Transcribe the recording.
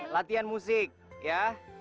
latihan musik ya